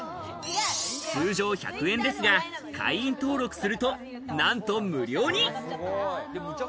通常１００円ですが、会員登録するとなんと無料に！